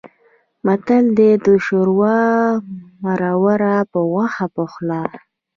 متل دی: د شوروا مرور په غوښه پخلا.